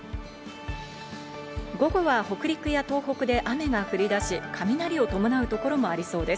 午後は北陸や東北で雨が降り出し、雷を伴うところもありそうです。